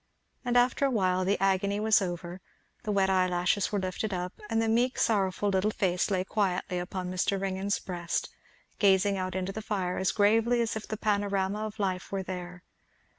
And after a while the agony was over, the wet eyelashes were lifted up, and the meek sorrowful little face lay quietly upon Mr. Ringgan's breast, gazing out into the fire as gravely as if the Panorama of life were there.